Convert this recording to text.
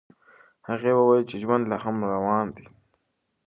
هغې وویل چې ژوند لا هم روان دی.